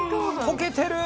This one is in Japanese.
溶けてる！